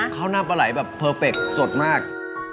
ข้าวหน้าปลาไหลแบบเพอร์เฟคสดมาก